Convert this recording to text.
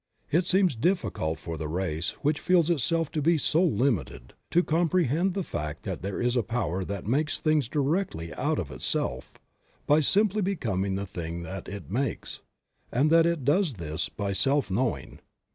It seems difficult for the race, which feels itself to be so limited, to comprehend the fact that there is a power that makes things directly out of itself, by simply becoming the thing that it makes, and that it does this by self knowing.